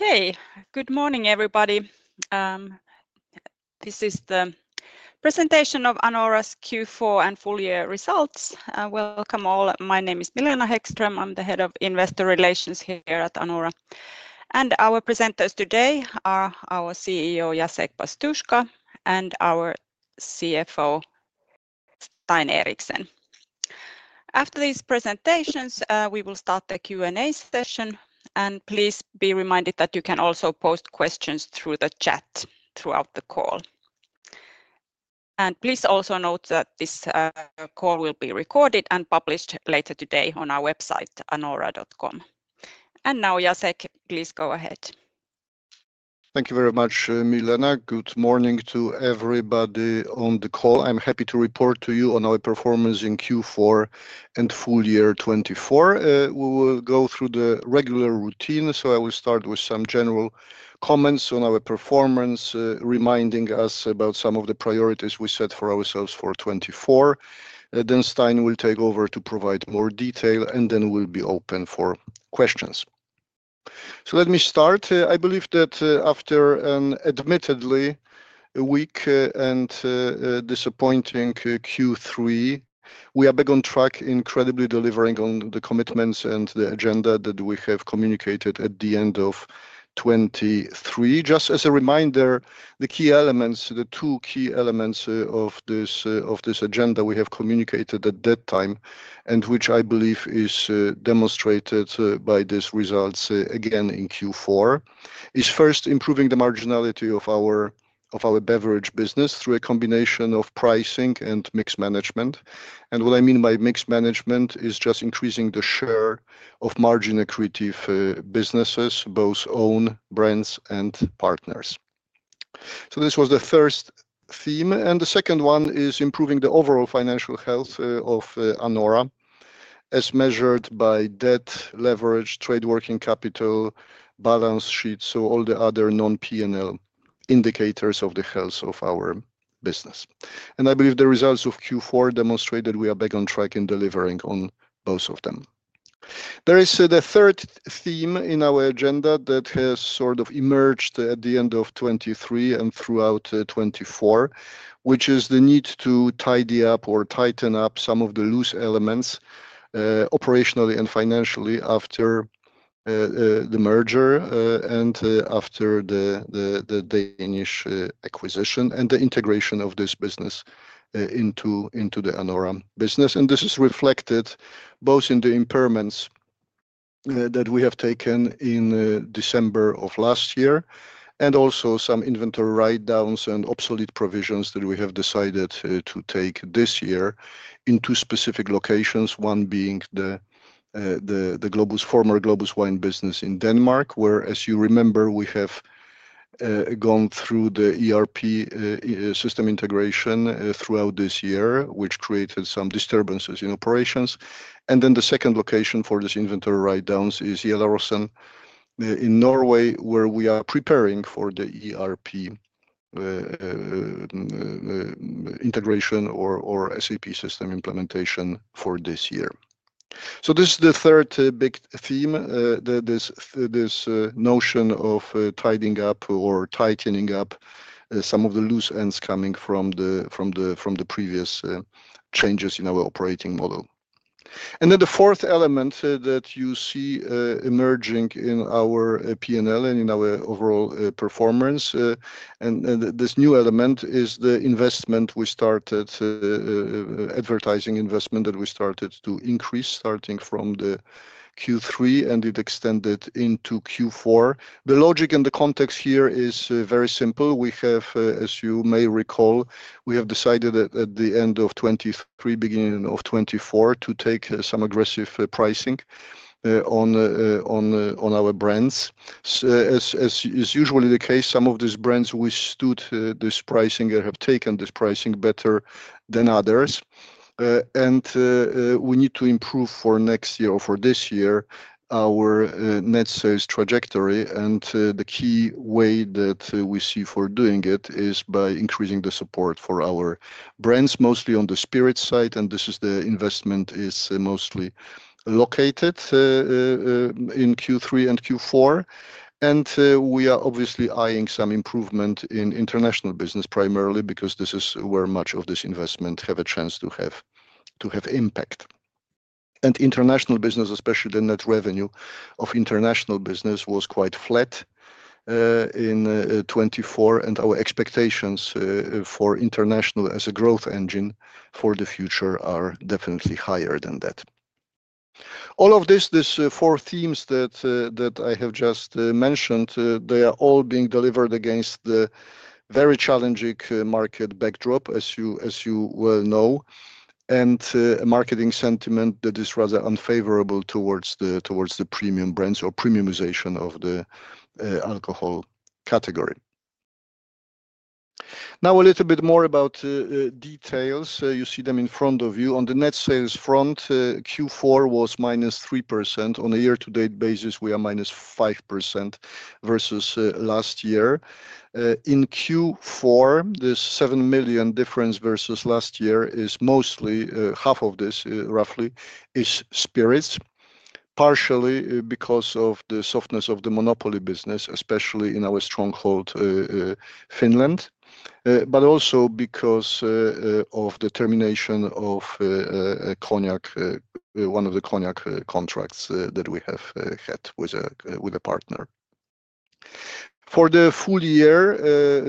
Okay, good morning everybody. This is the presentation of Anora's Q4 and full year results. Welcome all. My name is Milena Häggström. I'm the Head of Investor Relations here at Anora. Our presenters today are our CEO, Jacek Pastuszka, and our CFO, Stein Eriksen. After these presentations, we will start the Q&A session. Please be reminded that you can also post questions through the chat throughout the call. Please also note that this call will be recorded and published later today on our website, anora.com. Now, Jacek, please go ahead. Thank you very much, Milena. Good morning to everybody on the call. I'm happy to report to you on our performance in Q4 and full year 2024. We will go through the regular routine. I will start with some general comments on our performance, reminding us about some of the priorities we set for ourselves for 2024. Stein will take over to provide more detail, and then we'll be open for questions. Let me start. I believe that after an admittedly weak and disappointing Q3, we are back on track, incredibly delivering on the commitments and the agenda that we have communicated at the end of 2023. Just as a reminder, the key elements, the two key elements of this agenda we have communicated at that time, and which I believe is demonstrated by these results again in Q4, is first improving the marginality of our beverage business through a combination of pricing and mixed management. What I mean by mixed management is just increasing the share of margin equity businesses, both own brands and partners. This was the first theme. The second one is improving the overall financial health of Anora as measured by debt, leverage, trade working capital, balance sheet, so all the other non-P&L indicators of the health of our business. I believe the results of Q4 demonstrate that we are back on track in delivering on both of them. There is the third theme in our agenda that has sort of emerged at the end of 2023 and throughout 2024, which is the need to tidy up or tighten up some of the loose elements operationally and financially after the merger and after the Danish acquisition and the integration of this business into the Anora business. This is reflected both in the impairments that we have taken in December of last year and also some inventory write-downs and obsolete provisions that we have decided to take this year into specific locations, one being the former Globus Wine business in Denmark, where, as you remember, we have gone through the ERP system integration throughout this year, which created some disturbances in operations. The second location for these inventory write-downs is Gjelleråsen in Norway, where we are preparing for the ERP integration or SAP system implementation for this year. This is the third big theme, this notion of tidying up or tightening up some of the loose ends coming from the previous changes in our operating model. The fourth element that you see emerging in our P&L and in our overall performance, and this new element is the investment we started, advertising investment that we started to increase starting from Q3 and it extended into Q4. The logic and the context here is very simple. We have, as you may recall, decided at the end of 2023, beginning of 2024, to take some aggressive pricing on our brands. As is usually the case, some of these brands which stood this pricing have taken this pricing better than others. We need to improve for this year our net sales trajectory. The key way that we see for doing it is by increasing the support for our brands, mostly on the spirit side. This investment is mostly located in Q3 and Q4. We are obviously eyeing some improvement in international business primarily because this is where much of this investment has a chance to have impact. International business, especially the net revenue of international business, was quite flat in 2024. Our expectations for international as a growth engine for the future are definitely higher than that. All of this, these four themes that I have just mentioned, they are all being delivered against the very challenging market backdrop, as you well know, and marketing sentiment that is rather unfavorable towards the premium brands or premiumization of the alcohol category. Now, a little bit more about details. You see them in front of you. On the net sales front, Q4 was -3%. On a year-to-date basis, we are -5% versus last year. In Q4, this 7 million difference versus last year is mostly half of this, roughly, is spirits, partially because of the softness of the monopoly business, especially in our stronghold Finland, but also because of the termination of one of the cognac contracts that we have had with a partner. For the full year,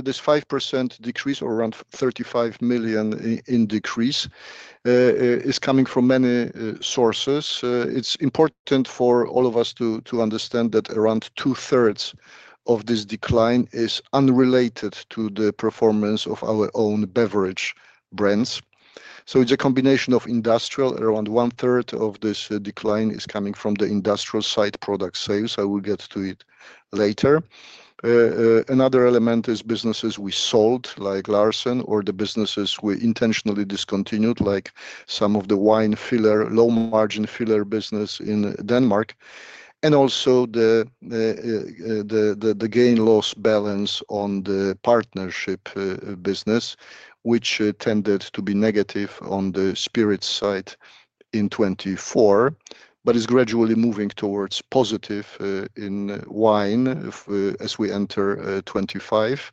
this 5% decrease or around 35 million in decrease is coming from many sources. It's important for all of us to understand that around two-thirds of this decline is unrelated to the performance of our own beverage brands. It's a combination of industrial. Around one-third of this decline is coming from the industrial side product sales. I will get to it later. Another element is businesses we sold, like Larsen, or the businesses we intentionally discontinued, like some of the wine filler, low-margin filler business in Denmark. Also the gain-loss balance on the partnership business, which tended to be negative on the spirit side in 2024, but is gradually moving towards positive in wine as we enter 2025,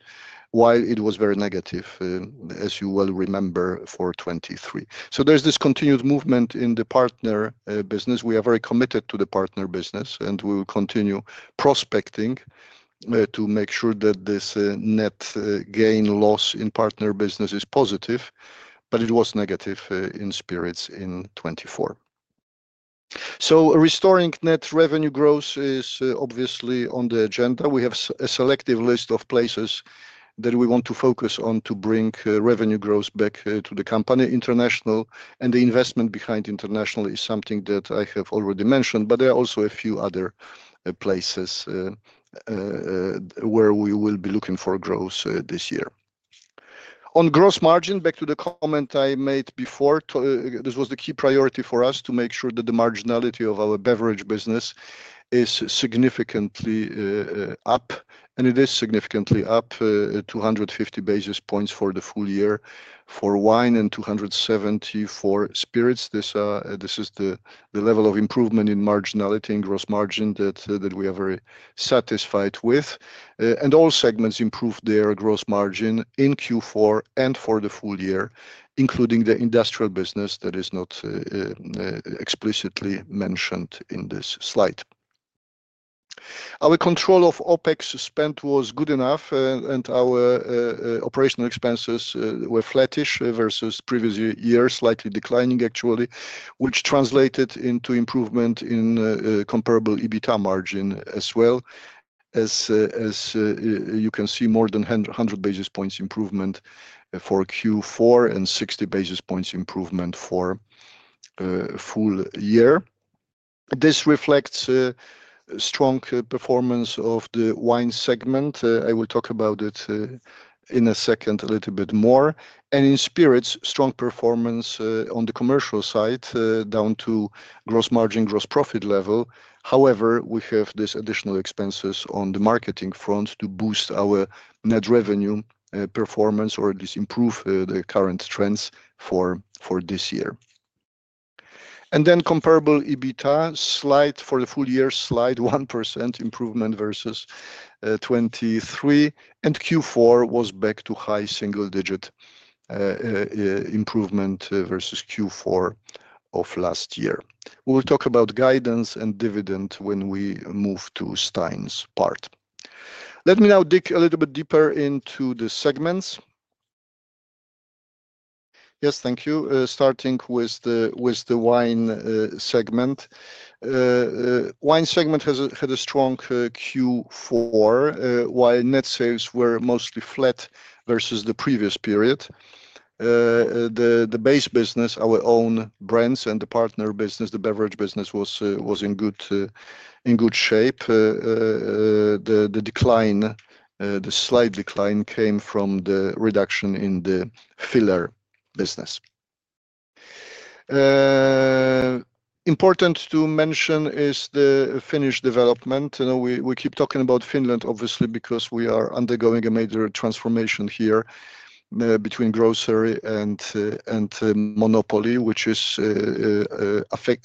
while it was very negative, as you well remember, for 2023. There's this continued movement in the partner business. We are very committed to the partner business, and we will continue prospecting to make sure that this net gain-loss in partner business is positive, but it was negative in spirits in 2024. Restoring net revenue growth is obviously on the agenda. We have a selective list of places that we want to focus on to bring revenue growth back to the company. International and the investment behind international is something that I have already mentioned, but there are also a few other places where we will be looking for growth this year. On gross margin, back to the comment I made before, this was the key priority for us to make sure that the marginality of our beverage business is significantly up. It is significantly up, 250 basis points for the full year for wine and 270 for spirits. This is the level of improvement in marginality and gross margin that we are very satisfied with. All segments improved their gross margin in Q4 and for the full year, including the industrial business that is not explicitly mentioned in this slide. Our control of OpEx spent was good enough, and our operational expenses were flattish versus previous years, slightly declining actually, which translated into improvement in comparable EBITDA margin as well. As you can see, more than 100 basis points improvement for Q4 and 60 basis points improvement for full year. This reflects strong performance of the wine segment. I will talk about it in a second a little bit more. In spirits, strong performance on the commercial side down to gross margin, gross profit level. However, we have these additional expenses on the marketing front to boost our net revenue performance or at least improve the current trends for this year. Comparable EBITDA slide for the full year, 1% improvement versus 2023. Q4 was back to high single-digit improvement versus Q4 of last year. We will talk about guidance and dividend when we move to Stein's part. Let me now dig a little bit deeper into the segments. Yes, thank you. Starting with the wine segment. Wine segment had a strong Q4, while net sales were mostly flat versus the previous period. The base business, our own brands and the partner business, the beverage business was in good shape. The decline, the slight decline came from the reduction in the filler business. Important to mention is the Finnish development. We keep talking about Finland, obviously, because we are undergoing a major transformation here between grocery and monopoly, which is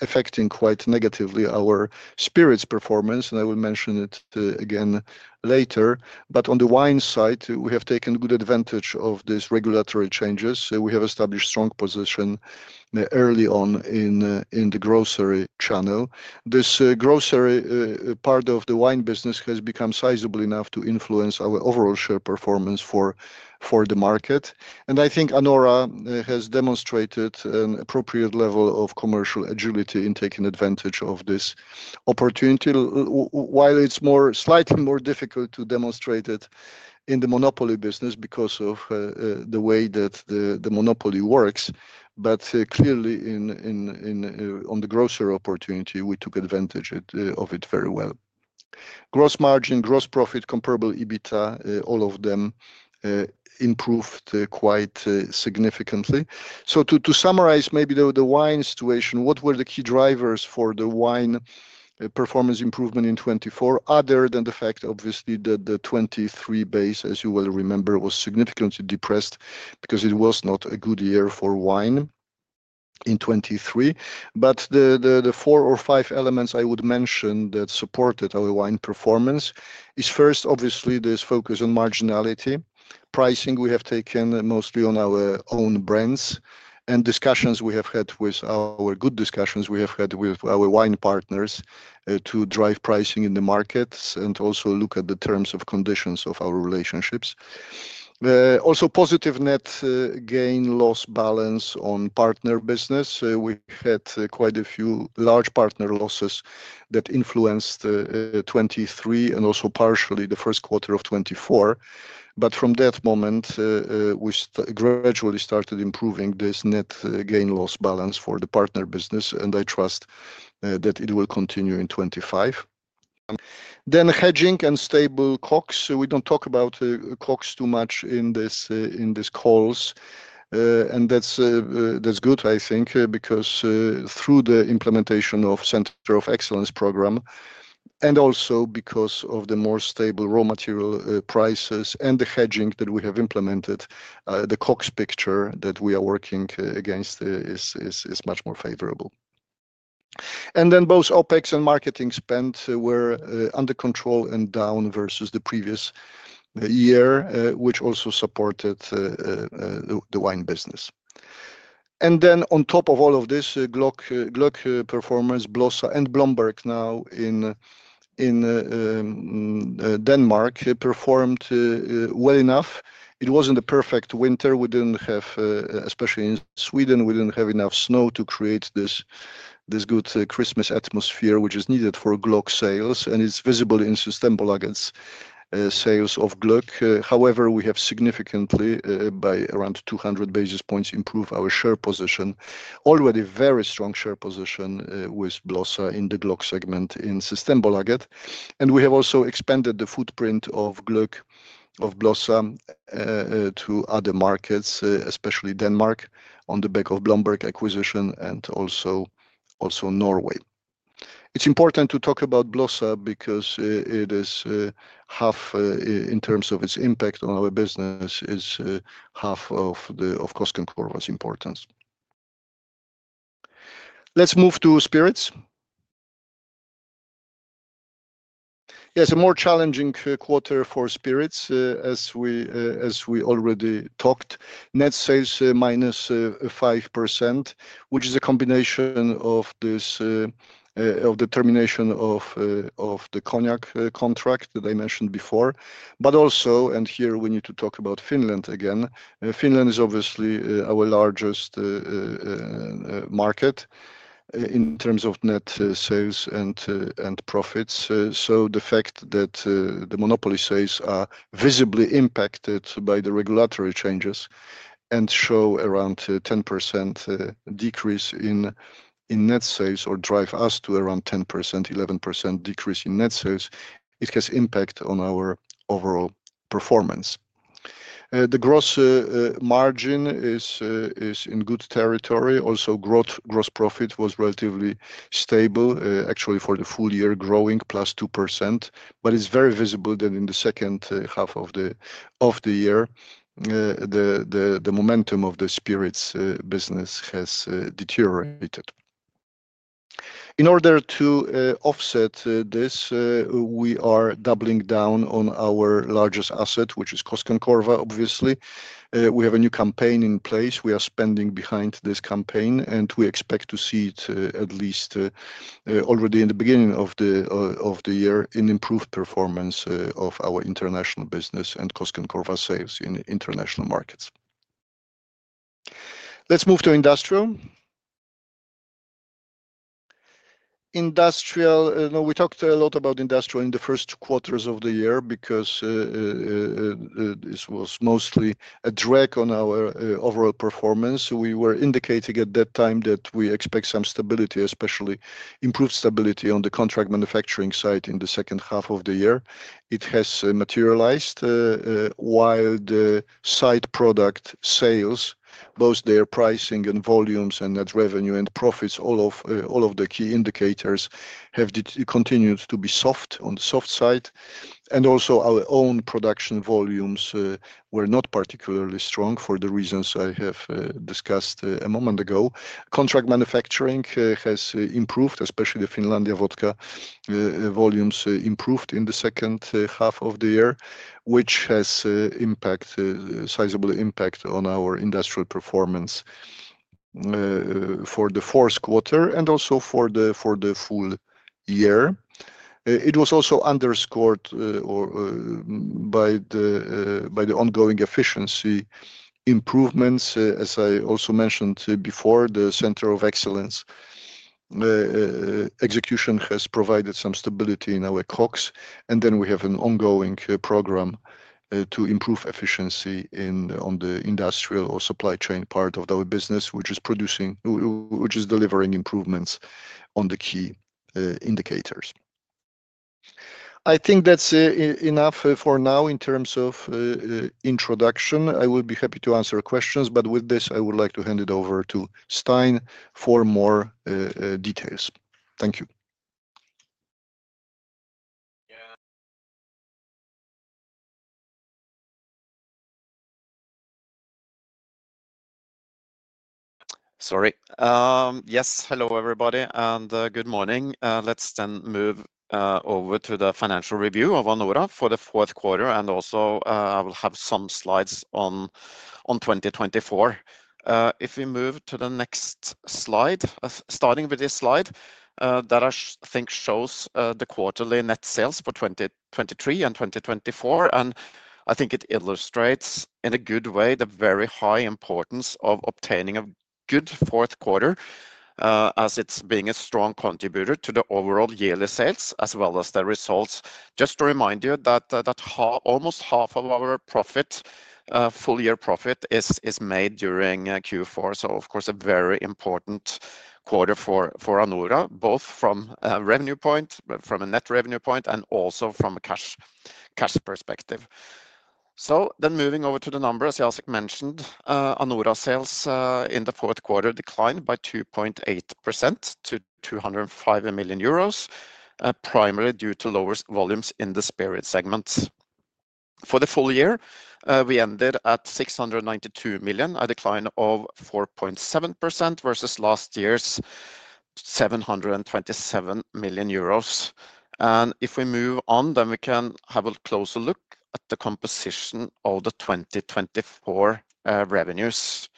affecting quite negatively our spirits performance. I will mention it again later. On the wine side, we have taken good advantage of these regulatory changes. We have established a strong position early on in the grocery channel. This grocery part of the wine business has become sizable enough to influence our overall share performance for the market. I think Anora has demonstrated an appropriate level of commercial agility in taking advantage of this opportunity, while it's slightly more difficult to demonstrate it in the monopoly business because of the way that the monopoly works. Clearly, on the grocery opportunity, we took advantage of it very well. Gross margin, gross profit, comparable EBITDA, all of them improved quite significantly. To summarize maybe the wine situation, what were the key drivers for the wine performance improvement in 2024, other than the fact, obviously, that the 2023 base, as you will remember, was significantly depressed because it was not a good year for wine in 2023. The four or five elements I would mention that supported our wine performance is first, obviously, this focus on marginality. Pricing we have taken mostly on our own brands and discussions we have had with our good discussions we have had with our wine partners to drive pricing in the markets and also look at the terms of conditions of our relationships. Also, positive net gain-loss balance on partner business. We had quite a few large partner losses that influenced 2023 and also partially the first quarter of 2024. From that moment, we gradually started improving this net gain-loss balance for the partner business, and I trust that it will continue in 2025. Hedging and stable COGS. We do not talk about COGS too much in these calls. That is good, I think, because through the implementation of the Center of Excellence program and also because of the more stable raw material prices and the hedging that we have implemented, the COGS picture that we are working against is much more favorable. Both OpEx and marketing spend were under control and down versus the previous year, which also supported the wine business. On top of all of this, glögg performance, Blossa, and Blomberg now in Denmark performed well enough. It was not a perfect winter. We didn't have, especially in Sweden, we didn't have enough snow to create this good Christmas atmosphere, which is needed for glögg sales. It is visible in Systembolaget's sales of glögg. However, we have significantly, by around 200 basis points, improved our share position, already very strong share position with Blossa in the glögg segment in Systembolaget. We have also expanded the footprint of glögg, of Blossa, to other markets, especially Denmark on the back of the Blomberg acquisition and also Norway. It is important to talk about Blossa because it is half, in terms of its impact on our business, is half of Koskenkorva's importance. Let's move to spirits. Yes, a more challenging quarter for spirits, as we already talked. Net sales minus 5%, which is a combination of the termination of the cognac contract that I mentioned before. Also, here we need to talk about Finland again. Finland is obviously our largest market in terms of net sales and profits. The fact that the monopoly sales are visibly impacted by the regulatory changes and show around 10% decrease in net sales or drive us to around 10%-11% decrease in net sales, it has impact on our overall performance. The gross margin is in good territory. Also, gross profit was relatively stable, actually for the full year growing plus 2%. It is very visible that in the second half of the year, the momentum of the spirits business has deteriorated. In order to offset this, we are doubling down on our largest asset, which is Koskenkorva, obviously. We have a new campaign in place. We are spending behind this campaign, and we expect to see it at least already in the beginning of the year in improved performance of our international business and Koskenkorva sales in international markets. Let's move to industrial. Industrial, we talked a lot about industrial in the first quarters of the year because this was mostly a drag on our overall performance. We were indicating at that time that we expect some stability, especially improved stability on the contract manufacturing side in the second half of the year. It has materialized, while the side product sales, both their pricing and volumes and net revenue and profits, all of the key indicators have continued to be on the soft side. Also, our own production volumes were not particularly strong for the reasons I have discussed a moment ago. Contract manufacturing has improved, especially the Finlandia vodka volumes improved in the second half of the year, which has sizable impact on our industrial performance for the fourth quarter and also for the full year. It was also underscored by the ongoing efficiency improvements. As I also mentioned before, the Center of Excellence execution has provided some stability in our COGS. We have an ongoing program to improve efficiency on the industrial or supply chain part of our business, which is delivering improvements on the key indicators. I think that's enough for now in terms of introduction. I will be happy to answer questions, but with this, I would like to hand it over to Stein for more details. Thank you. Sorry. Yes, hello everybody and good morning. Let's then move over to the financial review of Anora for the fourth quarter. I will have some slides on 2024. If we move to the next slide, starting with this slide that I think shows the quarterly net sales for 2023 and 2024. I think it illustrates in a good way the very high importance of obtaining a good fourth quarter as it is a strong contributor to the overall yearly sales as well as the results. Just to remind you that almost half of our full year profit is made during Q4. Of course, a very important quarter for Anora, both from a revenue point, from a net revenue point, and also from a cash perspective. Moving over to the numbers, as Jacek mentioned, Anora sales in the fourth quarter declined by 2.8% to 205 million euros, primarily due to lower volumes in the spirit segments. For the full year, we ended at 692 million, a decline of 4.7% versus last year's 727 million euros. If we move on, we can have a closer look at the composition of the 2024 revenues.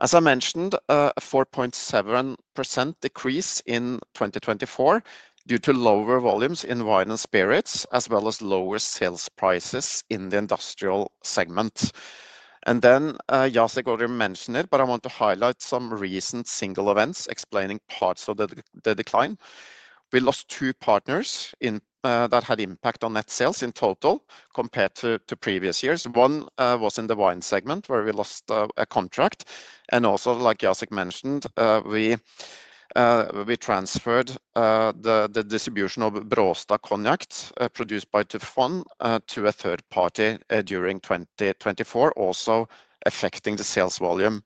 As I mentioned, a 4.7% decrease in 2024 due to lower volumes in wine and spirits, as well as lower sales prices in the industrial segment. Jacek already mentioned it, but I want to highlight some recent single events explaining parts of the decline. We lost two partners that had impact on net sales in total compared to previous years. One was in the wine segment where we lost a contract. Also, like Jacek mentioned, we transferred the distribution of Bråsta Cognac produced by Tufon to a third party during 2024, also affecting the sales volume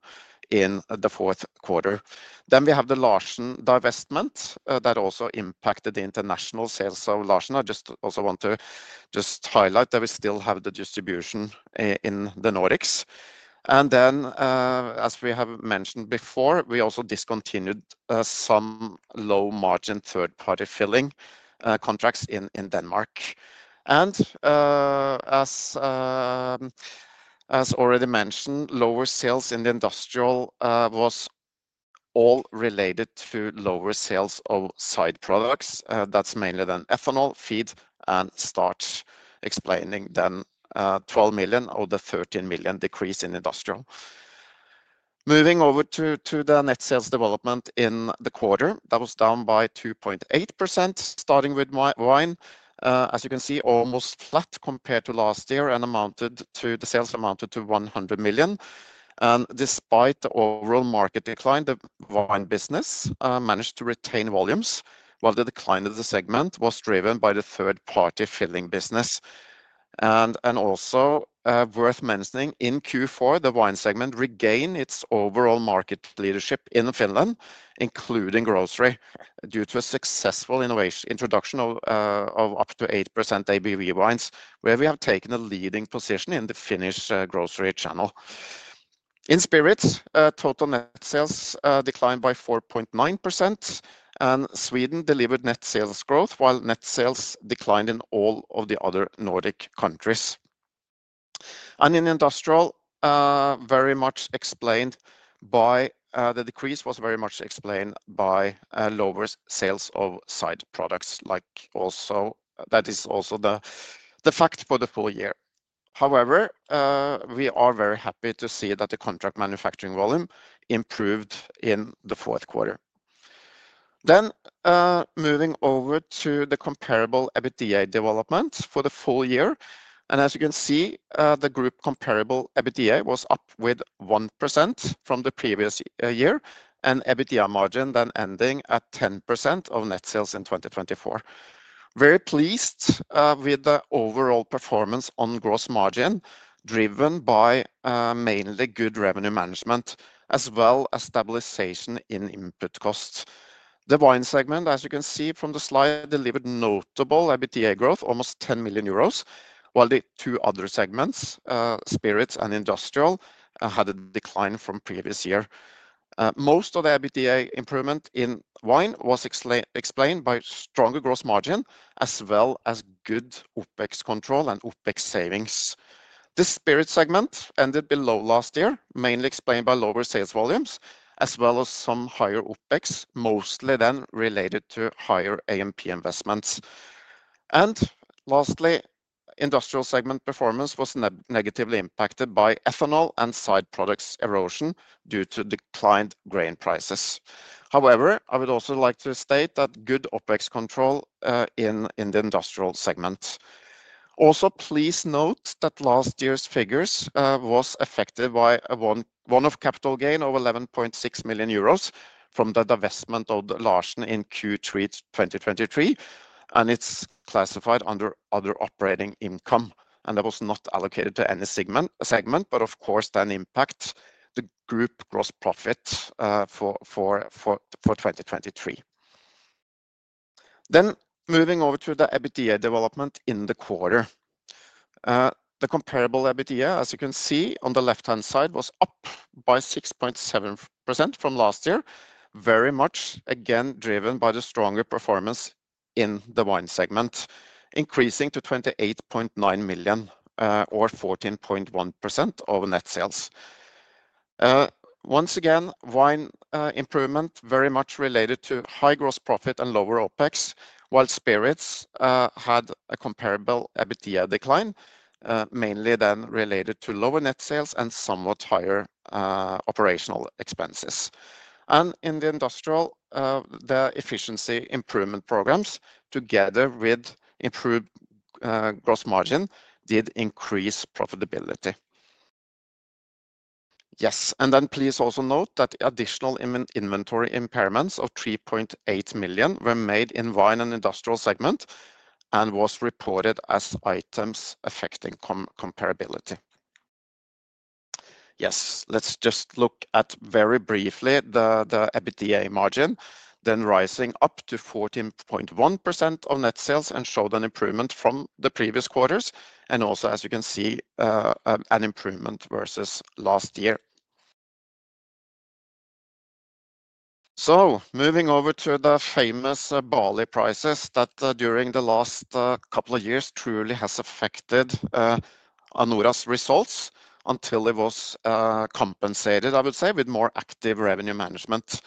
in the fourth quarter. We have the Larsen divestment that also impacted the international sales of Larsen. I just also want to just highlight that we still have the distribution in the Nordics. As we have mentioned before, we also discontinued some low margin third-party filling contracts in Denmark. As already mentioned, lower sales in the industrial was all related to lower sales of side products. That is mainly then ethanol, feed, and starch, explaining then 12 million or the 13 million decrease in industrial. Moving over to the net sales development in the quarter, that was down by 2.8% starting with wine. As you can see, almost flat compared to last year and amounted to the sales amounted to 100 million. Despite the overall market decline, the wine business managed to retain volumes, while the decline of the segment was driven by the third-party filling business. is also worth mentioning, in Q4, the wine segment regained its overall market leadership in Finland, including grocery, due to a successful introduction of up to 8% ABV wines, where we have taken a leading position in the Finnish grocery channel. In spirits, total net sales declined by 4.9%, and Sweden delivered net sales growth, while net sales declined in all of the other Nordic countries. In industrial, the decrease was very much explained by lower sales of side products, like also that is also the fact for the full year. However, we are very happy to see that the contract manufacturing volume improved in the fourth quarter. Moving over to the comparable EBITDA development for the full year. As you can see, the group comparable EBITDA was up 1% from the previous year, and EBITDA margin then ending at 10% of net sales in 2024. Very pleased with the overall performance on gross margin driven by mainly good revenue management as well as stabilization in input costs. The wine segment, as you can see from the slide, delivered notable EBITDA growth, almost 10 million euros, while the two other segments, spirits and industrial, had a decline from previous year. Most of the EBITDA improvement in wine was explained by stronger gross margin as well as good OpEx control and OpEx savings. The spirit segment ended below last year, mainly explained by lower sales volumes as well as some higher OpEx, mostly then related to higher AMP investments. Lastly, industrial segment performance was negatively impacted by ethanol and side products erosion due to declined grain prices. However, I would also like to state that good OpEx control in the industrial segment. Also, please note that last year's figures were affected by a one-off capital gain of 11.6 million euros from the divestment of Larsen in Q3 2023, and it is classified under other operating income. That was not allocated to any segment, but of course then impacted the group gross profit for 2023. Moving over to the EBITDA development in the quarter. The comparable EBITDA, as you can see on the left-hand side, was up by 6.7% from last year, very much again driven by the stronger performance in the wine segment, increasing to 28.9 million or 14.1% of net sales. Once again, wine improvement very much related to high gross profit and lower OpEx, while spirits had a comparable EBITDA decline, mainly then related to lower net sales and somewhat higher operational expenses. In the industrial, the efficiency improvement programs together with improved gross margin did increase profitability. Yes, please also note that additional inventory impairments of 3.8 million were made in wine and industrial segment and was reported as items affecting comparability. Yes, let's just look at very briefly the EBITDA margin, then rising up to 14.1% of net sales and showed an improvement from the previous quarters. Also, as you can see, an improvement versus last year. Moving over to the famous barley prices that during the last couple of years truly has affected Anora's results until it was compensated, I would say, with more active revenue management.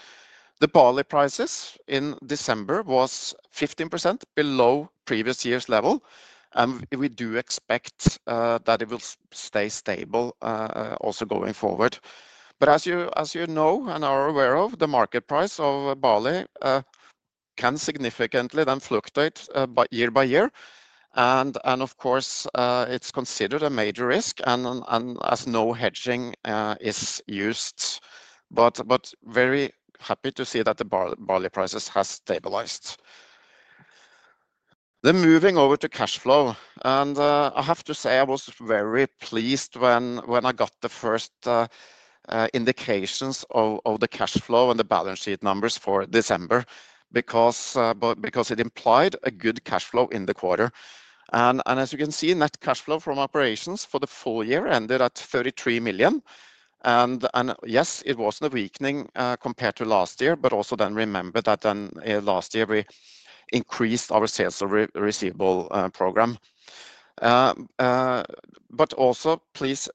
The barley prices in December was 15% below previous year's level, and we do expect that it will stay stable also going forward. As you know and are aware of, the market price of barley can significantly then fluctuate year by year. Of course, it's considered a major risk and as no hedging is used, but very happy to see that the barley prices has stabilized. Moving over to cash flow. I have to say I was very pleased when I got the first indications of the cash flow and the balance sheet numbers for December because it implied a good cash flow in the quarter. As you can see, net cash flow from operations for the full year ended at 33 million. Yes, it was a weakening compared to last year, but also then remember that then last year we increased our sales of receivable program. Please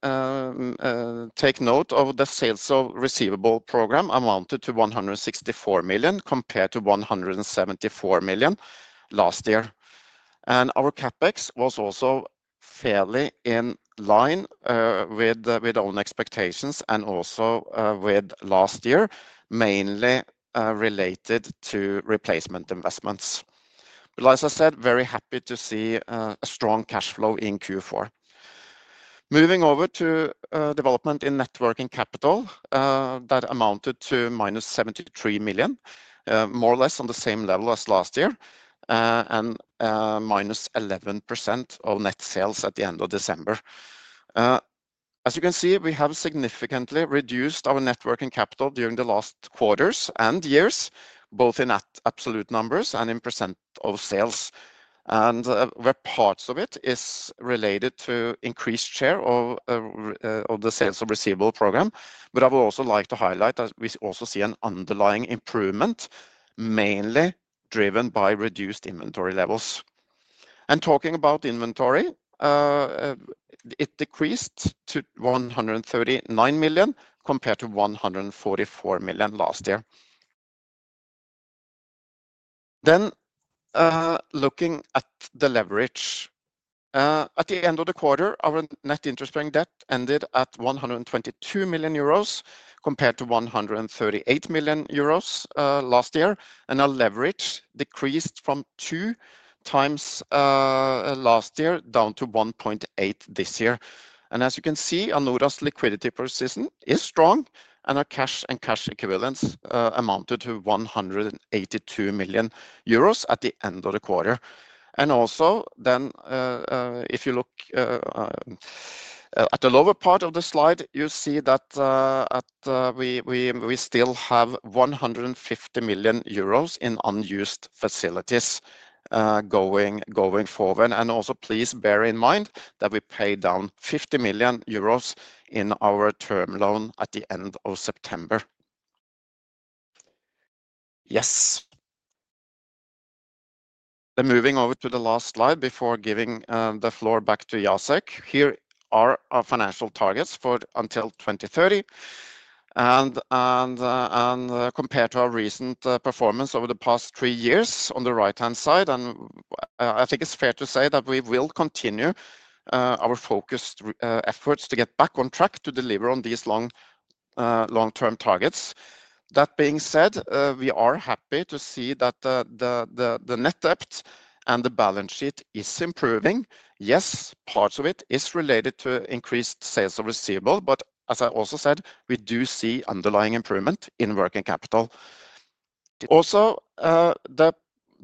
take note of the sales of receivable program amounted to 164 million compared to 174 million last year. Our CapEx was also fairly in line with own expectations and also with last year, mainly related to replacement investments. As I said, very happy to see a strong cash flow in Q4. Moving over to development in working capital that amounted to -73 million, more or less on the same level as last year, and -11% of net sales at the end of December. As you can see, we have significantly reduced our working capital during the last quarters and years, both in absolute numbers and in percent of sales. Parts of it is related to increased share of the sales of receivable program. I would also like to highlight that we also see an underlying improvement, mainly driven by reduced inventory levels. Talking about inventory, it decreased to 139 million compared to 144 million last year. Looking at the leverage, at the end of the quarter, our net interest-bearing debt ended at 122 million euros compared to 138 million euros last year. Our leverage decreased from two times last year down to 1.8 this year. As you can see, Anora's liquidity position is strong and our cash and cash equivalents amounted to 182 million euros at the end of the quarter. Also, if you look at the lower part of the slide, you see that we still have 150 million euros in unused facilities going forward. Please bear in mind that we paid down 50 million euros in our term loan at the end of September. Yes. Moving over to the last slide before giving the floor back to Jacek. Here are our financial targets for until 2030. Compared to our recent performance over the past three years on the right-hand side, I think it is fair to say that we will continue our focused efforts to get back on track to deliver on these long-term targets. That being said, we are happy to see that the net debt and the balance sheet is improving. Yes, parts of it are related to increased sales of receivable, but as I also said, we do see underlying improvement in working capital. Also, the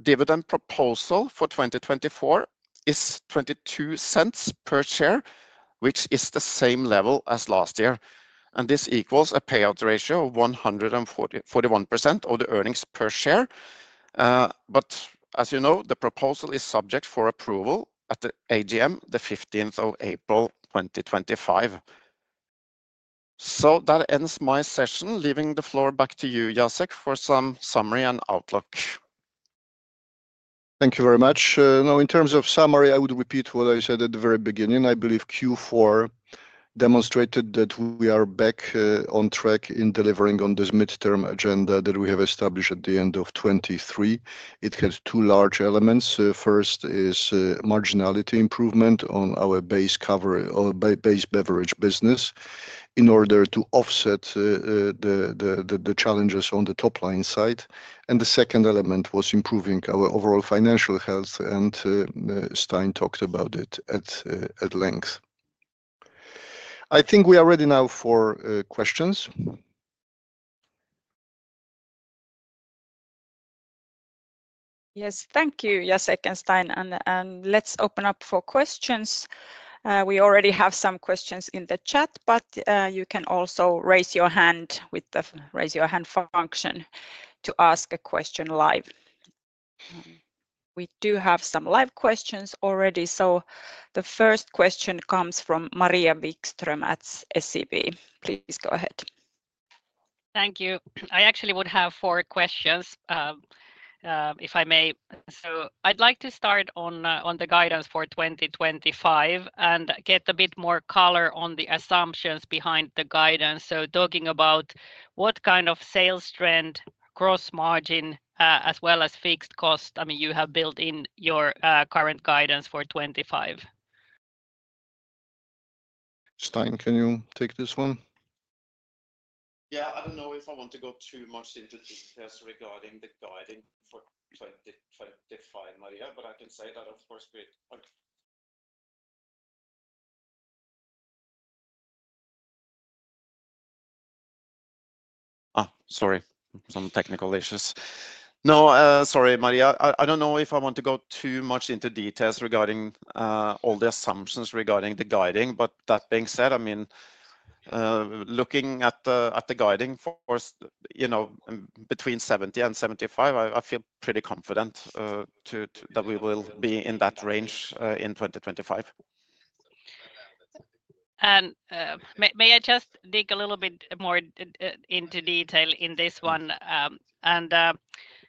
dividend proposal for 2024 is 0.22 per share, which is the same level as last year. This equals a payout ratio of 141% of the earnings per share. As you know, the proposal is subject for approval at the AGM the 15th of April 2025. That ends my session. Leaving the floor back to you, Jacek, for some summary and outlook. Thank you very much. In terms of summary, I would repeat what I said at the very beginning. I believe Q4 demonstrated that we are back on track in delivering on this midterm agenda that we have established at the end of 2023. It has two large elements. First is marginality improvement on our base cover or base beverage business in order to offset the challenges on the top line side. The second element was improving our overall financial health, and Stein talked about it at length. I think we are ready now for questions. Yes, thank you, Jacek and Stein. Let's open up for questions. We already have some questions in the chat, but you can also raise your hand with the raise your hand function to ask a question live. We do have some live questions already. The first question comes from Maria Wikström at SEB. Please go ahead. Thank you. I actually would have four questions, if I may. I would like to start on the guidance for 2025 and get a bit more color on the assumptions behind the guidance. Talking about what kind of sales trend, gross margin, as well as fixed cost, I mean, you have built in your current guidance for 2025? Stein, can you take this one? Yeah, I do not know if I want to go too much into details regarding the guiding for 2025, Maria, but I can say that, of course, we are... Sorry, some technical issues. No, sorry, Maria. I do not know if I want to go too much into details regarding all the assumptions regarding the guiding, but that being said, I mean, looking at the guiding for between 70 and 75, I feel pretty confident that we will be in that range in 2025. May I just dig a little bit more into detail in this one?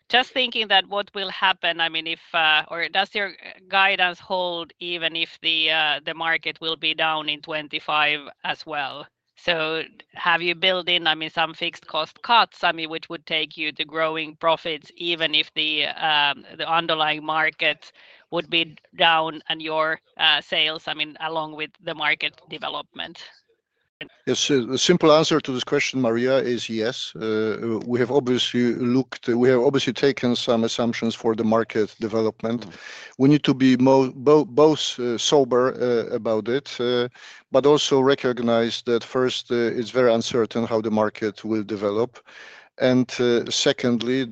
Just thinking that what will happen, I mean, if or does your guidance hold even if the market will be down in 2025 as well? Have you built in, I mean, some fixed cost cuts, I mean, which would take you to growing profits even if the underlying markets would be down and your sales, I mean, along with the market development? Yes, the simple answer to this question, Maria, is yes. We have obviously looked, we have obviously taken some assumptions for the market development. We need to be both sober about it, but also recognize that first, it is very uncertain how the market will develop. Secondly,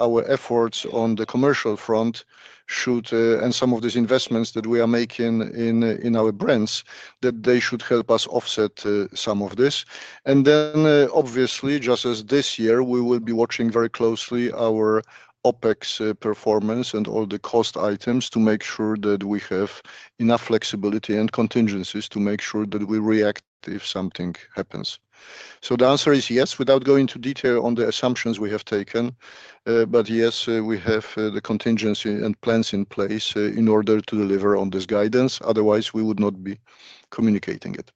our efforts on the commercial front should, and some of these investments that we are making in our brands, they should help us offset some of this. Just as this year, we will be watching very closely our OpEx performance and all the cost items to make sure that we have enough flexibility and contingencies to make sure that we react if something happens. The answer is yes, without going into detail on the assumptions we have taken, but yes, we have the contingency and plans in place in order to deliver on this guidance. Otherwise, we would not be communicating it.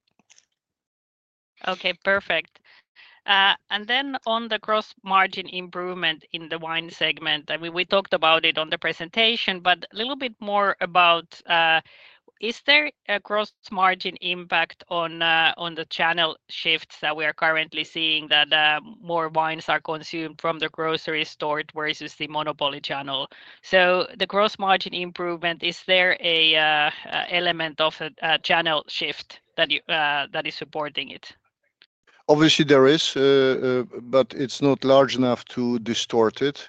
Okay, perfect. On the gross margin improvement in the wine segment, I mean, we talked about it on the presentation, but a little bit more about, is there a gross margin impact on the channel shifts that we are currently seeing that more wines are consumed from the grocery store versus the monopoly channel? The gross margin improvement, is there an element of a channel shift that is supporting it? Obviously, there is, but it's not large enough to distort it.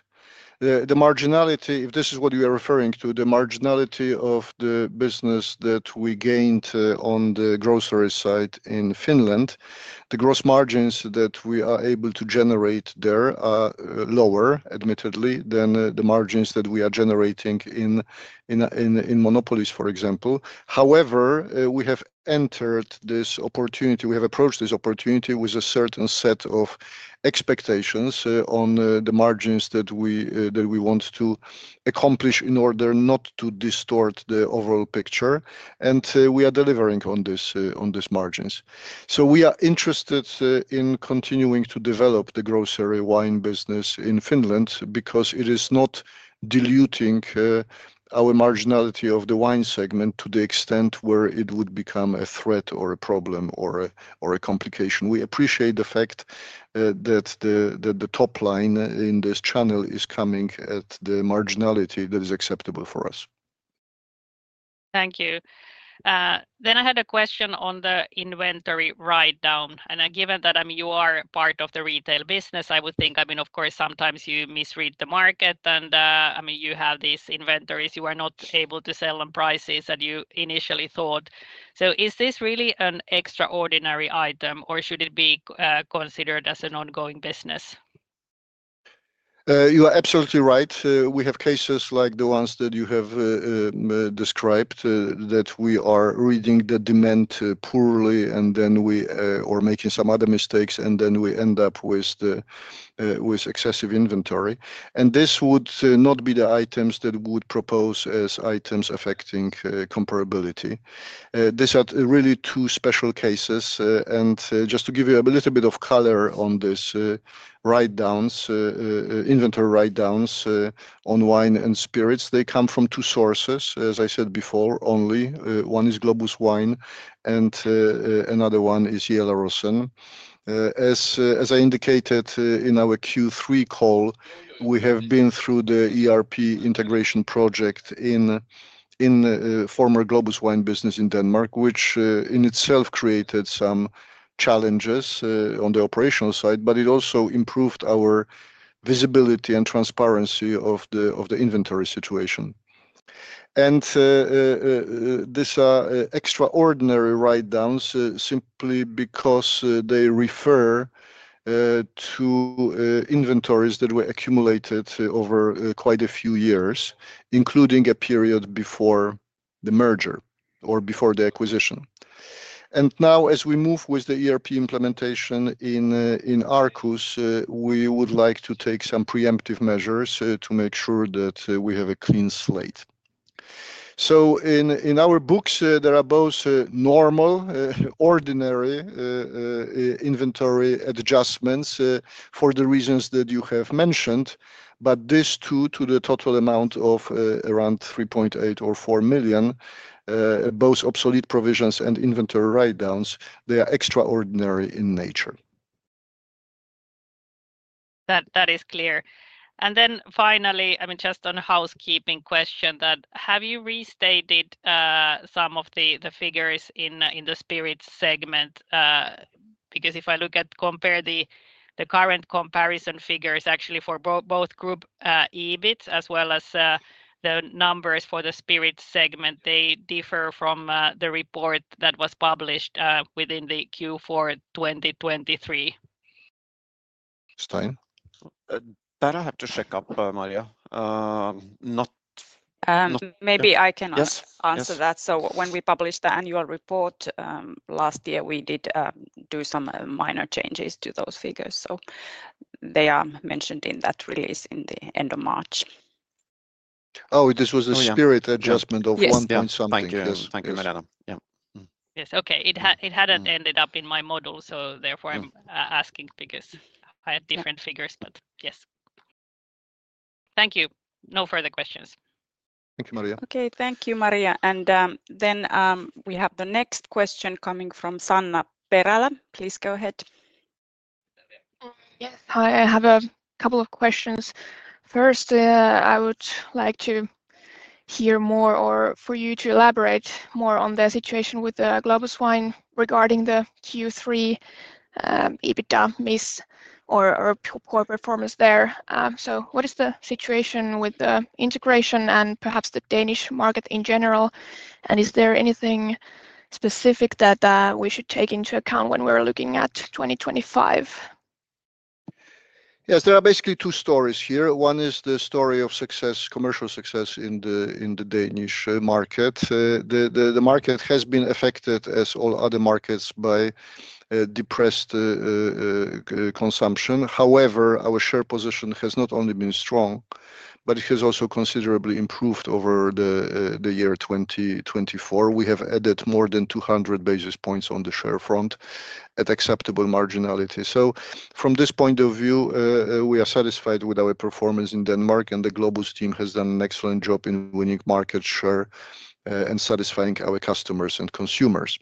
The marginality, if this is what you are referring to, the marginality of the business that we gained on the grocery side in Finland, the gross margins that we are able to generate there are lower, admittedly, than the margins that we are generating in monopolies, for example. However, we have entered this opportunity, we have approached this opportunity with a certain set of expectations on the margins that we want to accomplish in order not to distort the overall picture. We are delivering on these margins. We are interested in continuing to develop the grocery wine business in Finland because it is not diluting our marginality of the wine segment to the extent where it would become a threat or a problem or a complication. We appreciate the fact that the top line in this channel is coming at the marginality that is acceptable for us. Thank you. I had a question on the inventory write-down. Given that you are part of the retail business, I would think, I mean, of course, sometimes you misread the market and, I mean, you have these inventories, you are not able to sell on prices that you initially thought. Is this really an extraordinary item or should it be considered as an ongoing business? You are absolutely right. We have cases like the ones that you have described that we are reading the demand poorly and then we are making some other mistakes and then we end up with excessive inventory. This would not be the items that we would propose as items affecting comparability. These are really two special cases. Just to give you a little bit of color on these write-downs, inventory write-downs on wine and spirits, they come from two sources, as I said before, only. One is Globus Wine and another one is Yellow Rösen. As I indicated in our Q3 call, we have been through the ERP integration project in former Globus Wine business in Denmark, which in itself created some challenges on the operational side, but it also improved our visibility and transparency of the inventory situation. These are extraordinary write-downs simply because they refer to inventories that were accumulated over quite a few years, including a period before the merger or before the acquisition. Now, as we move with the ERP implementation in Arcus, we would like to take some preemptive measures to make sure that we have a clean slate. In our books, there are both normal, ordinary inventory adjustments for the reasons that you have mentioned, but these two to the total amount of around 3.8 million or 4 million, both obsolete provisions and inventory write-downs, they are extraordinary in nature. That is clear. Finally, I mean, just on a housekeeping question, have you restated some of the figures in the spirits segment? Because if I look at, compare the current comparison figures, actually for both group EBIT as well as the numbers for the spirits segment, they differ from the report that was published within the Q4 2023. Stein? I have to check up, Maria. Maybe I can answer that. When we published the annual report last year, we did do some minor changes to those figures. They are mentioned in that release in the end of March. Oh, this was a spirit adjustment of 1 point something. Yes, thank you, Maria. Yes, okay. It hadn't ended up in my module, so therefore I'm asking because I had different figures, but yes. Thank you. No further questions. Thank you, Maria. Okay, thank you, Maria. Then we have the next question coming from Sanna Perälä. Please go ahead. Yes, hi. I have a couple of questions. First, I would like to hear more or for you to elaborate more on the situation with the Globus Wine regarding the Q3 EBITDA miss or poor performance there. What is the situation with the integration and perhaps the Danish market in general? Is there anything specific that we should take into account when we're looking at 2025? Yes, there are basically two stories here. One is the story of success, commercial success in the Danish market. The market has been affected, as all other markets, by depressed consumption. However, our share position has not only been strong, but it has also considerably improved over the year 2024. We have added more than 200 basis points on the share front at acceptable marginality. From this point of view, we are satisfied with our performance in Denmark, and the Globus team has done an excellent job in winning market share and satisfying our customers and consumers.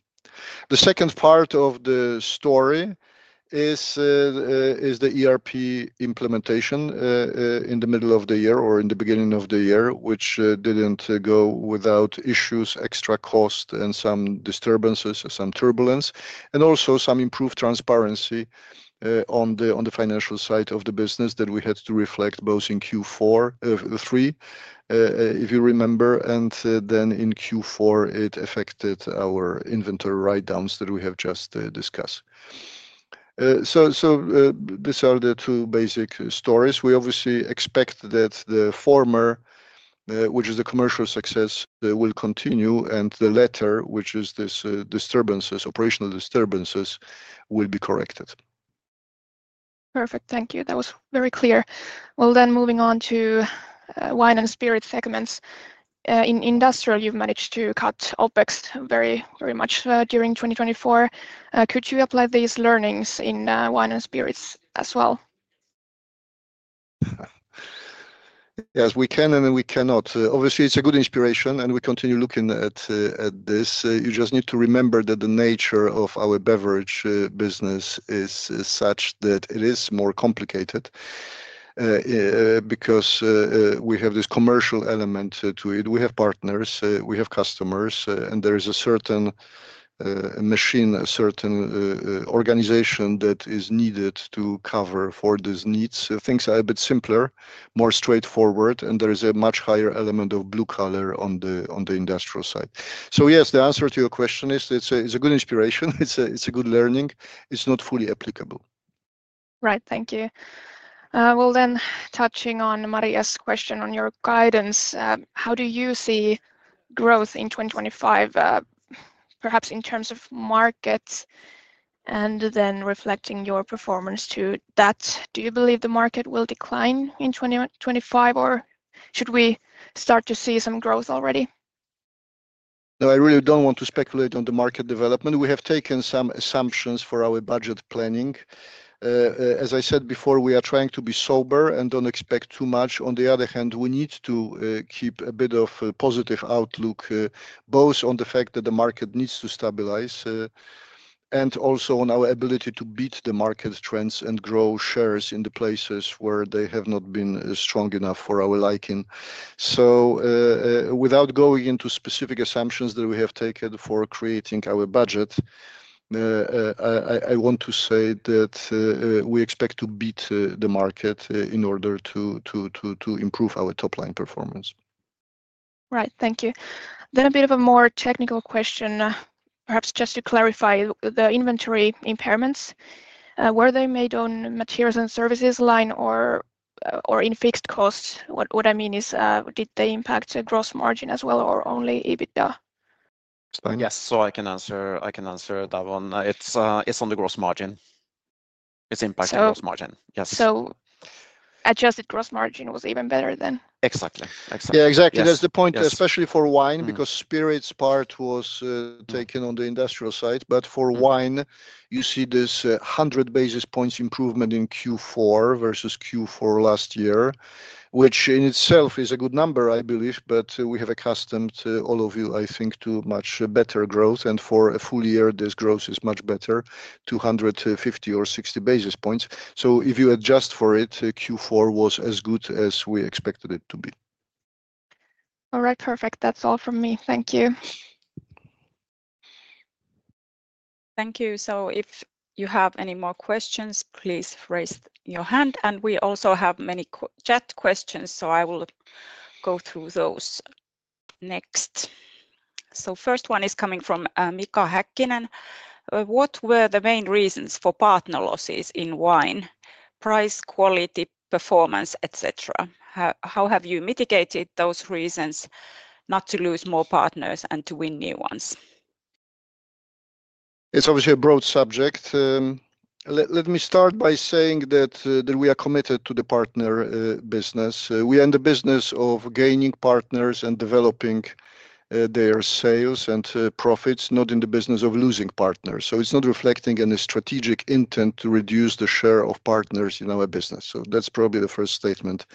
The second part of the story is the ERP implementation in the middle of the year or in the beginning of the year, which did not go without issues, extra costs, and some disturbances, some turbulence, and also some improved transparency on the financial side of the business that we had to reflect both in Q3, if you remember, and then in Q4, it affected our inventory write-downs that we have just discussed. These are the two basic stories. We obviously expect that the former, which is the commercial success, will continue, and the latter, which is these disturbances, operational disturbances, will be corrected. Thank you. That was very clear. Moving on to wine and spirit segments. In industrial, you have managed to cut OpEx very much during 2024. Could you apply these learnings in wine and spirits as well? Yes, we can and we cannot. Obviously, it's a good inspiration, and we continue looking at this. You just need to remember that the nature of our beverage business is such that it is more complicated because we have this commercial element to it. We have partners, we have customers, and there is a certain machine, a certain organization that is needed to cover for these needs. Things are a bit simpler, more straightforward, and there is a much higher element of blue collar on the industrial side. Yes, the answer to your question is it's a good inspiration. It's a good learning. It's not fully applicable. Right, thank you. Touching on Maria's question on your guidance, how do you see growth in 2025, perhaps in terms of markets and then reflecting your performance to that? Do you believe the market will decline in 2025, or should we start to see some growth already? No, I really don't want to speculate on the market development. We have taken some assumptions for our budget planning. As I said before, we are trying to be sober and don't expect too much. On the other hand, we need to keep a bit of a positive outlook, both on the fact that the market needs to stabilize and also on our ability to beat the market trends and grow shares in the places where they have not been strong enough for our liking. Without going into specific assumptions that we have taken for creating our budget, I want to say that we expect to beat the market in order to improve our top-line performance. Right, thank you. A bit of a more technical question, perhaps just to clarify the inventory impairments. Were they made on materials and services line or in fixed costs? What I mean is, did they impact the gross margin as well or only EBITDA? Yes, I can answer that one. It is on the gross margin. It is impacting gross margin, yes. Adjusted gross margin was even better then? Exactly. Yeah, exactly. That is the point, especially for wine, because spirits part was taken on the industrial side. For wine, you see this 100 basis points improvement in Q4 versus Q4 last year, which in itself is a good number, I believe, but we have accustomed all of you, I think, to much better growth. For a full year, this growth is much better, 250 or 260 basis points. If you adjust for it, Q4 was as good as we expected it to be. All right, perfect. That's all from me. Thank you. Thank you. If you have any more questions, please raise your hand. We also have many chat questions, so I will go through those next. The first one is coming from Mika Häkkinen. What were the main reasons for partner losses in wine? Price, quality, performance, etc. How have you mitigated those reasons not to lose more partners and to win new ones? It's obviously a broad subject. Let me start by saying that we are committed to the partner business. We are in the business of gaining partners and developing their sales and profits, not in the business of losing partners. It's not reflecting any strategic intent to reduce the share of partners in our business. That's probably the first statement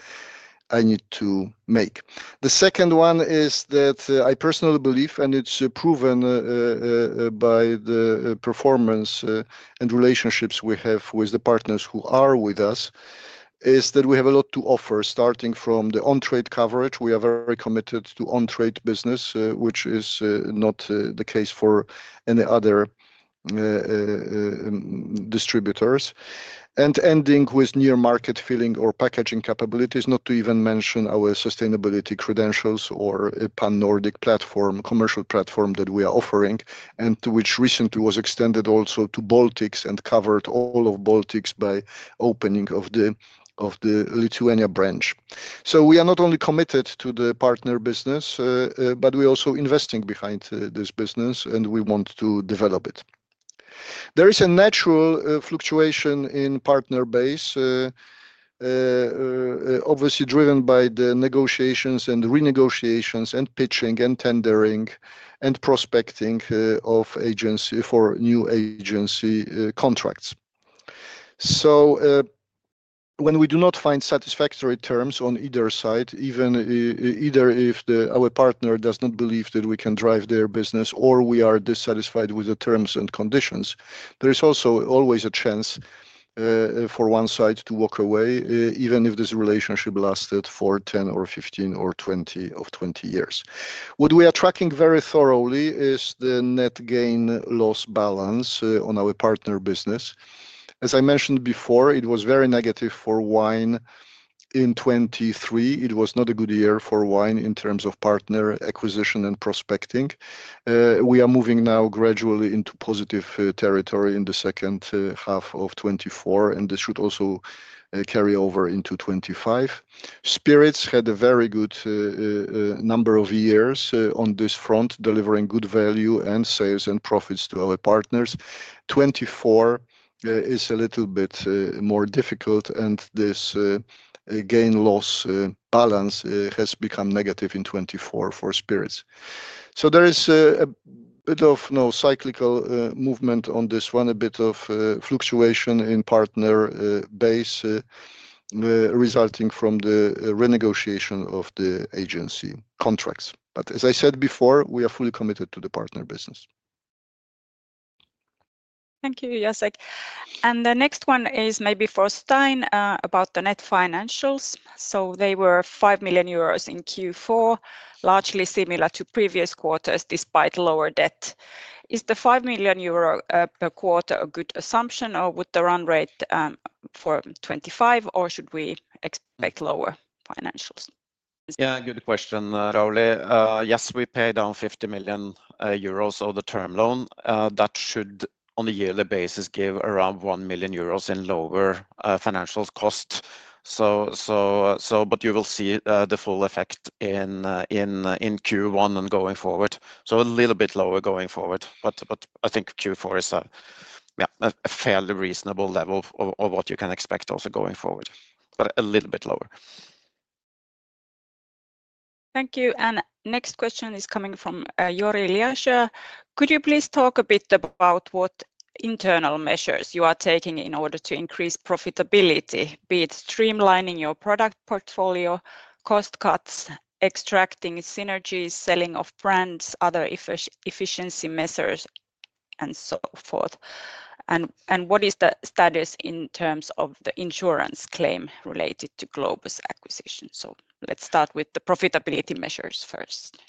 I need to make. The second one is that I personally believe, and it's proven by the performance and relationships we have with the partners who are with us, that we have a lot to offer, starting from the on-trade coverage. We are very committed to on-trade business, which is not the case for any other distributors. Ending with near-market filling or packaging capabilities, not to even mention our sustainability credentials or Pan-Nordic commercial platform that we are offering, which recently was extended also to the Baltics and covered all of the Baltics by opening of the Lithuania branch. We are not only committed to the partner business, but we are also investing behind this business, and we want to develop it. There is a natural fluctuation in partner base, obviously driven by the negotiations and renegotiations and pitching and tendering and prospecting of new agency contracts. When we do not find satisfactory terms on either side, even if our partner does not believe that we can drive their business or we are dissatisfied with the terms and conditions, there is always a chance for one side to walk away, even if this relationship lasted for 10 or 15 or 20 years. What we are tracking very thoroughly is the net gain-loss balance on our partner business. As I mentioned before, it was very negative for wine in 2023. It was not a good year for wine in terms of partner acquisition and prospecting. We are moving now gradually into positive territory in the second half of 2024, and this should also carry over into 2025. Spirits had a very good number of years on this front, delivering good value and sales and profits to our partners. 2024 is a little bit more difficult, and this gain-loss balance has become negative in 2024 for spirits. There is a bit of cyclical movement on this one, a bit of fluctuation in partner base resulting from the renegotiation of the agency contracts. As I said before, we are fully committed to the partner business. Thank you, Jacek. The next one is maybe for Stein about the net financials. They were 5 million euros in Q4, largely similar to previous quarters despite lower debt. Is the 5 million euro per quarter a good assumption, or would the run rate for 2025, or should we expect lower financials? Yeah, good question, Rauli. Yes, we paid down 50 million euros of the term loan. That should, on a yearly basis, give around 1 million euros in lower financial costs. You will see the full effect in Q1 and going forward. A little bit lower going forward. I think Q4 is a fairly reasonable level of what you can expect also going forward, but a little bit lower. Thank you. Next question is coming from Jori Eliasia. Could you please talk a bit about what internal measures you are taking in order to increase profitability, be it streamlining your product portfolio, cost cuts, extracting synergies, selling off brands, other efficiency measures, and so forth? What is the status in terms of the insurance claim related to the Globus acquisition? Let's start with the profitability measures first.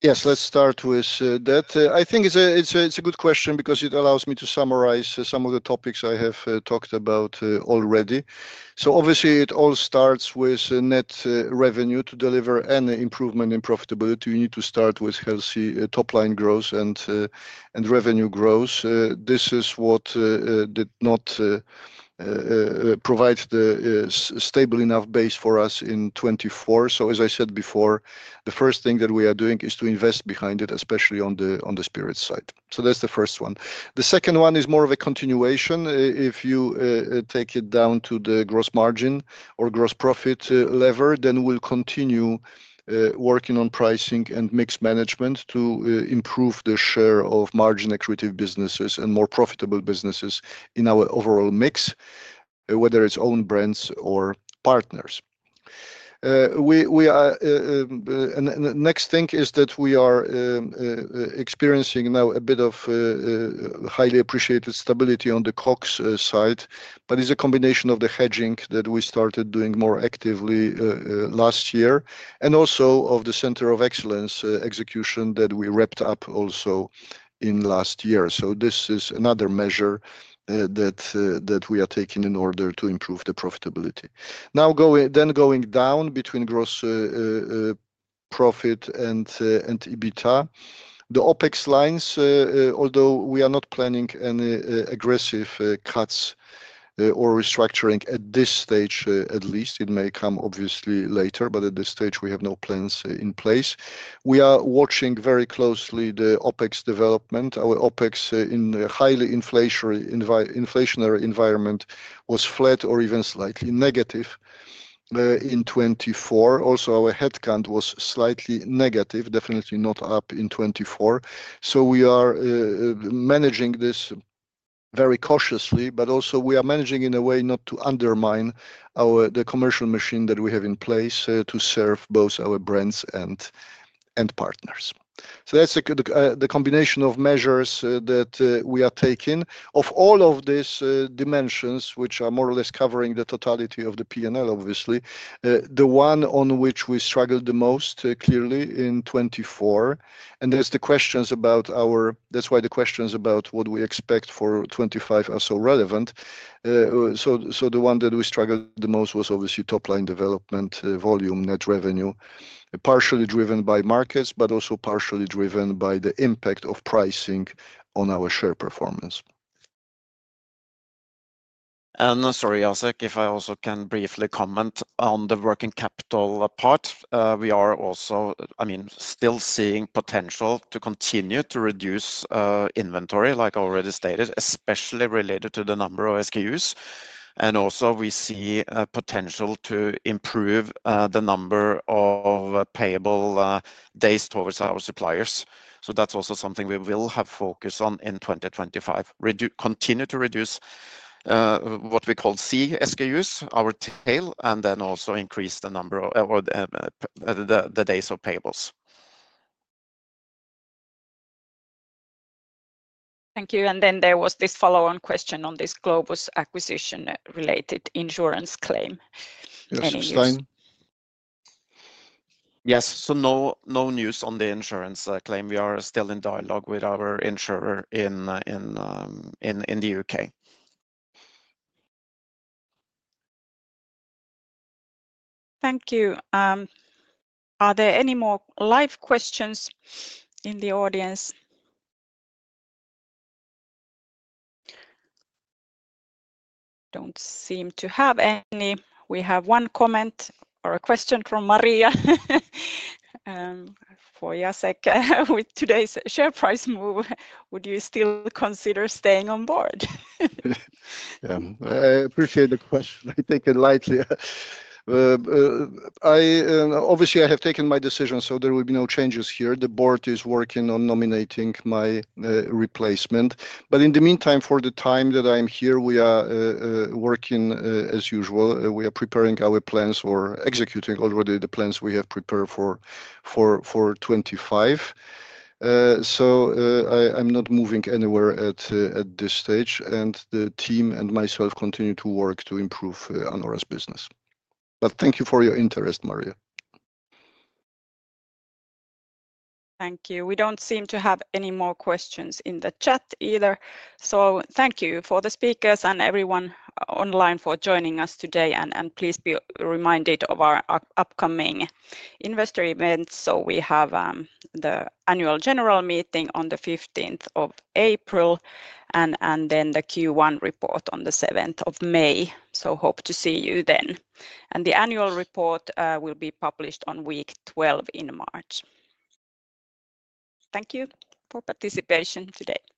Yes, let's start with that. I think it's a good question because it allows me to summarize some of the topics I have talked about already. Obviously, it all starts with net revenue. To deliver any improvement in profitability, you need to start with healthy top-line growth and revenue growth. This is what did not provide the stable enough base for us in 2024. As I said before, the first thing that we are doing is to invest behind it, especially on the spirits side. That's the first one. The second one is more of a continuation. If you take it down to the gross margin or gross profit lever, then we'll continue working on pricing and mix management to improve the share of margin-accretive businesses and more profitable businesses in our overall mix, whether it's own brands or partners. The next thing is that we are experiencing now a bit of highly appreciated stability on the COGS side, but it's a combination of the hedging that we started doing more actively last year and also of the Center of Excellence execution that we wrapped up also in last year. This is another measure that we are taking in order to improve the profitability. Now, going down between gross profit and EBITDA, the OpEx lines, although we are not planning any aggressive cuts or restructuring at this stage, at least. It may come obviously later, but at this stage, we have no plans in place. We are watching very closely the OpEx development. Our OpEx in a highly inflationary environment was flat or even slightly negative in 2024. Also, our headcount was slightly negative, definitely not up in 2024. We are managing this very cautiously, but also we are managing in a way not to undermine the commercial machine that we have in place to serve both our brands and partners. That is the combination of measures that we are taking. Of all of these dimensions, which are more or less covering the totality of the P&L, obviously, the one on which we struggled the most clearly in 2024, and that is why the questions about what we expect for 2025 are so relevant. The one that we struggled the most was obviously top-line development volume, net revenue, partially driven by markets, but also partially driven by the impact of pricing on our share performance. Sorry, Jacek, if I also can briefly comment on the working capital part. We are also, I mean, still seeing potential to continue to reduce inventory, like I already stated, especially related to the number of SKUs. Also, we see potential to improve the number of payable days towards our suppliers. That is also something we will have focus on in 2025. Continue to reduce what we call C-SKUs, our tail, and then also increase the number of the days of payables. Thank you. There was this follow-on question on this Globus Wine acquisition-related insurance claim. Yes, Stein? Yes, no news on the insurance claim. We are still in dialogue with our insurer in the U.K. Thank you. Are there any more live questions in the audience? Do not seem to have any. We have one comment or a question from Maria for Jacek with today's share price move. Would you still consider staying on board? Yeah, I appreciate the question. I take it lightly. Obviously, I have taken my decision, so there will be no changes here. The board is working on nominating my replacement. In the meantime, for the time that I'm here, we are working as usual. We are preparing our plans or executing already the plans we have prepared for 2025. I am not moving anywhere at this stage, and the team and myself continue to work to improve Anora's business. Thank you for your interest, Maria. Thank you. We do not seem to have any more questions in the chat either. Thank you for the speakers and everyone online for joining us today. Please be reminded of our upcoming investor events. We have the annual general meeting on the 15th of April and then the Q1 report on the 7th of May. Hope to see you then. The annual report will be published on week 12 in March. Thank you for participation today.